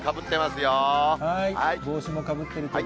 帽子もかぶってるけど。